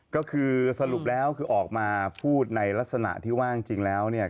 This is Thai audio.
ก็คือสรุปแล้วคือออกมาพูดในลักษณะที่ว่าจริงแล้วเนี่ย